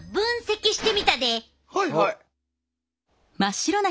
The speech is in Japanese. はいはい。